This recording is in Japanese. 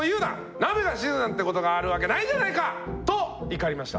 鍋が死ぬなんていうことがあるわけないじゃないか」と怒りました。